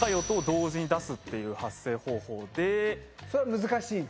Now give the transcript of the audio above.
それは難しいの？